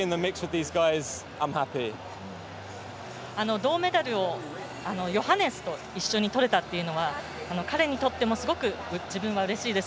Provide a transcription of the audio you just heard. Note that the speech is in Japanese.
銅メダルをヨハネスと一緒にとれたというのは彼にとっても、すごく自分はうれしいです。